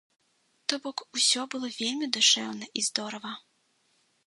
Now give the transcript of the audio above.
То бок усё было вельмі душэўна і здорава.